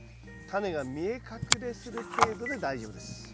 タネが見え隠れする程度で大丈夫です。